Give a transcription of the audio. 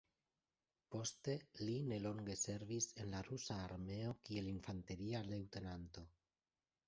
Poste li nelonge servis en la Rusa armeo kiel infanteria leŭtenanto.